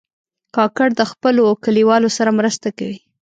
کاکړ د خپلو کلیوالو سره مرسته کوي.